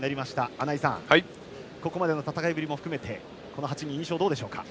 穴井さん、ここまでの戦いぶりも含めてこの８人の印象どうでしょうか。